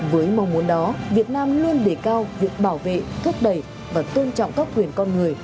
với mong muốn đó việt nam luôn đề cao việc bảo vệ thúc đẩy và tôn trọng các quyền con người